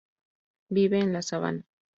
Vive en la sabana.